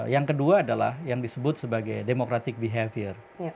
yang kedua adalah yang disebut sebagai democratic behavior